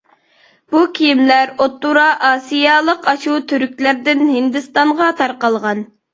بۇ كىيىملەر ئوتتۇرا ئاسىيالىق ئاشۇ تۈركلەردىن ھىندىستانغا تارقالغان.